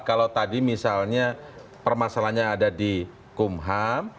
kalau tadi misalnya permasalahannya ada di kum ham